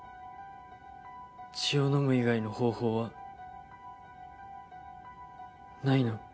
血を飲む以外の方法はないの？